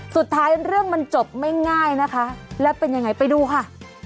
เรื่องมันจบไม่ง่ายนะคะแล้วเป็นยังไงไปดูค่ะ